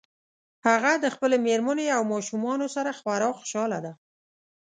هغه د خپلې مېرمنې او ماشومانو سره خورا خوشحاله ده